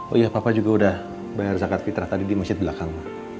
oh iya papa juga udah bayar zakat fitrah tadi di masjid belakang